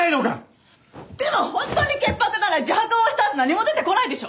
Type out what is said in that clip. でも本当に潔白なら自白をしたって何も出てこないでしょ？